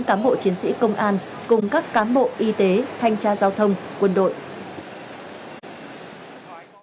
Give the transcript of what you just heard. các cám bộ chiến sĩ công an cùng các cám bộ y tế thanh tra giao thông quân đội